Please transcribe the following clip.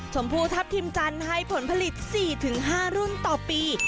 ชมพูทัพทิมจันทร์ให้ผลผลิต๔๕รุ่นต่อปี